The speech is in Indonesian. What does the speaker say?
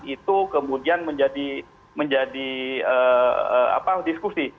itu kemudian menjadi diskusi